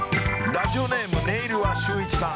ラジオネーム「ネイルは週一」さん。